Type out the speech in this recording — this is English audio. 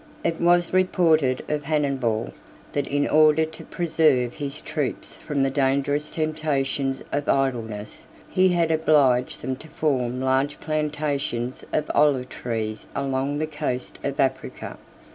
57 It was reported of Hannibal, that, in order to preserve his troops from the dangerous temptations of idleness, he had obliged them to form large plantations of olive trees along the coast of Africa.